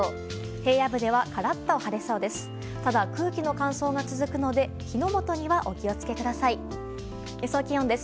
平野部ではからっと晴れそうです。